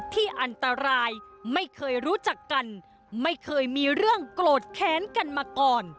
ที่อันตรายไม่เคยรู้จักกันไม่เคยมีเรื่องโกรธแค้นกันมาก่อน